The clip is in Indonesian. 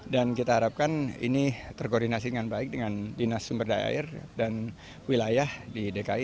dan kita harapkan ini terkoordinasi dengan baik dengan dinas sumber daya air dan wilayah di dki